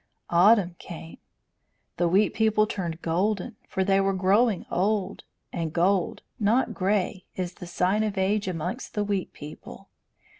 Autumn came. The Wheat People turned golden, for they were growing old; and gold, not grey, is the sign of age amongst the Wheat People.